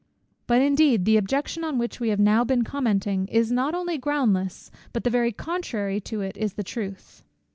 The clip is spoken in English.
But indeed the objection on which we have now been commenting, is not only groundless, but the very contrary to it is the truth.